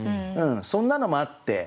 そんなのもあって。